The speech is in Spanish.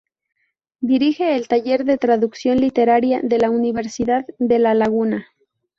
Dirige el Taller de Traducción Literaria de la Universidad de La Laguna.